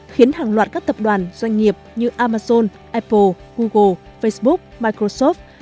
khiến hàng loạt các tập đoàn doanh nghiệp như amazon apple google facebook microsoft